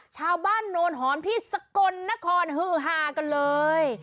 ชาวบ้านโนธรพี่ก็สะกนคลอนหูฮากันเลย